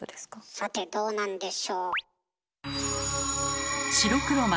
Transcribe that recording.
さてどうなんでしょう。